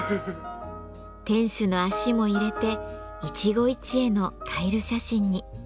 店主の足も入れて一期一会のタイル写真に。